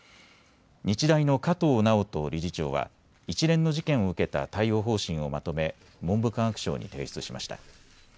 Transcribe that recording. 日大の加藤直人理事長は一連の事件を受けた対応方針をまとめ文部科学省に提出しました。